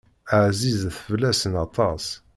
Ɛzizet fell-asen aṭas.